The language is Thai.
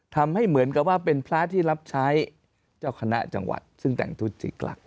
ทำให้เหมือนกับว่าเป็นพระที่รับใช้เจ้าคณะจังหวัดซึ่งแต่งทุจิกหลัก